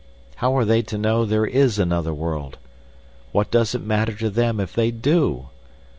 How are they to know there is another world? What does it matter to them if they do?